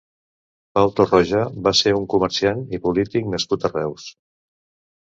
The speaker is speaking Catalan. Pau Torroja va ser un comerciant i polític nascut a Reus.